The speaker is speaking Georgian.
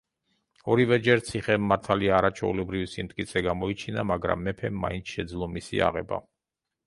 ორივეჯერ ციხემ, მართალია, არაჩვეულებრივი სიმტკიცე გამოიჩინა, მაგრამ მეფემ მაინც შეძლო მისი აღება.